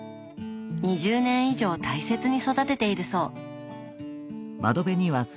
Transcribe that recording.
２０年以上大切に育てているそう。